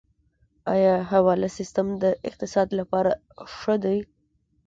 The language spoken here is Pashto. آیا حواله سیستم د اقتصاد لپاره ښه دی؟